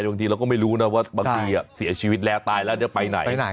บางทีเราก็ไม่รู้นะว่าบางทีเสียชีวิตแล้วตายแล้วจะไปไหน